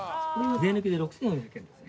税抜きで６，４００円ですね。